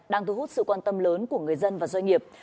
đang thu hút sự quan tâm lớn của người dân và doanh nghiệp